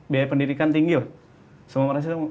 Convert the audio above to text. biaya pendidikan tinggi loh